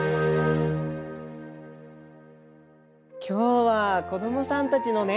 今日は子どもさんたちのね